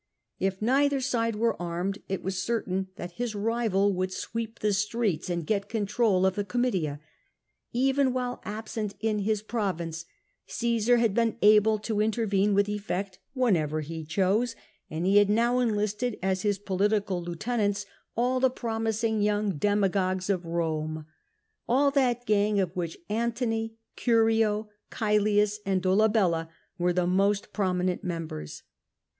If neither side were armed, it was certain that his rival would sweep the streets and get control of the Comitia. Even while absent in his province, Cmsar had been able to intervene with effect whenever he chose, and he had now enlisted as his political lieutenants all the promising young demagogues of Eome — all that gang of which Antony, Curio, Caslius, and Dolabella were the most prominent members.